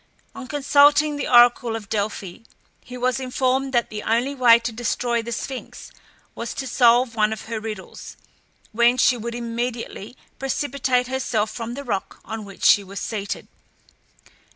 On consulting the oracle of Delphi, he was informed that the only way to destroy the Sphinx was to solve one of her riddles, when she would immediately precipitate herself from the rock on which she was seated.